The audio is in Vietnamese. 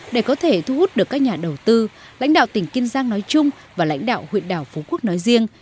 để có thể thu hút được các nhà đầu tư lãnh đạo tỉnh kiên giang nói chung và lãnh đạo huyện đảo phú quốc nói riêng